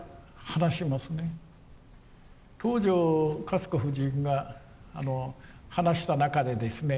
東條かつこ夫人が話した中でですね